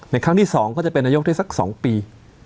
ครั้งที่๒ก็จะเป็นนายกได้สัก๒ปี